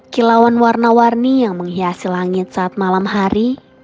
kilauan warna warni yang menghiasi langit saat malam hari